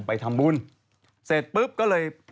ไปทำบุญเสร็จปุ๊บก็เลย